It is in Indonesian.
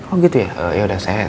oh gitu ya ya udah saya